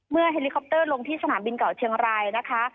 เฮลิคอปเตอร์ลงที่สนามบินเก่าเชียงรายนะคะ